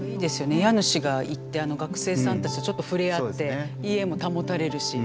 家主が行って学生さんたちとちょっと触れ合って家も保たれるし。